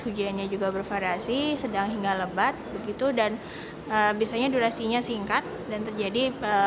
hujannya juga bervariasi sedang hingga lebat begitu dan bisanya durasinya singkat dan terjadi